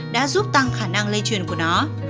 đã giúp tăng khả năng lây truyền của nó